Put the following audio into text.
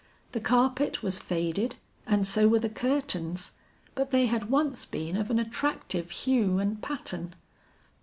The carpet was faded and so were the curtains, but they had once been of an attractive hue and pattern.